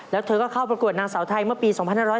แล้วเธอก็เข้าประกวดนางสาวไทยเมื่อปี๒๕๕๙